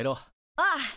ああ。